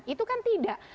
itu kan tidak